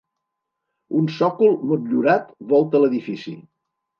Un sòcol motllurat volta l'edifici.